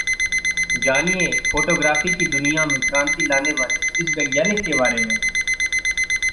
जानिए फोटोग्राफी की दुनिया में क्रांति लाने वाले इस वैज्ञानिक के बारे में